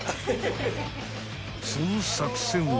［その作戦は］